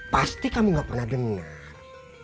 pasti kamu gak pernah dengar